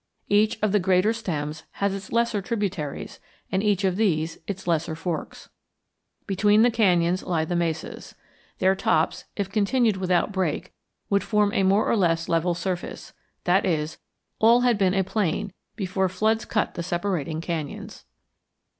Each of the greater stems has its lesser tributaries and each of these its lesser forks. Between the canyons lie the mesas. Their tops, if continued without break, would form a more or less level surface; that is, all had been a plain before floods cut the separating canyons.